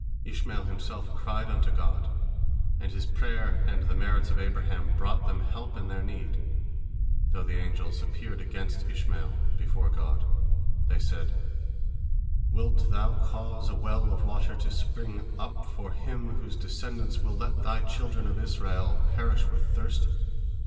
Ishmael himself cried unto God, and his prayer and the merits of Abraham brought them help in their need, though the angels appeared against Ishmael before God. They said, "Wilt Thou cause a well of water to spring up for him whose descendants will let Thy children of Israel perish with thirst?"